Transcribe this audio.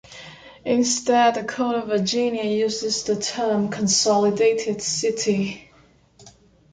Instead, the Code of Virginia uses the term consolidated city.